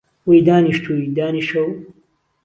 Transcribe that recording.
وهی دانیشتووی، دانیشه و